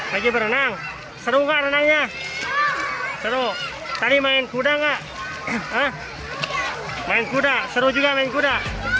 lagi berenang seru gak renangnya seru tadi main kuda enggak main kuda seru juga main kuda